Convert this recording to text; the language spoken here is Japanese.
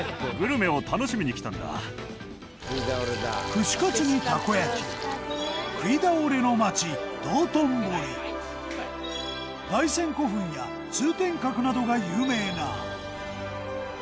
串かつにたこ焼き食い倒れの街道頓堀大山古墳や通天閣などが有名な。